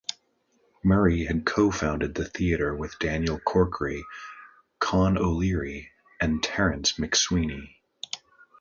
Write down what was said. Murray had co-founded the theatre with Daniel Corkery, Con O'Leary and Terence McSwiney.